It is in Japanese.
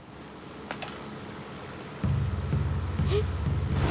えっ。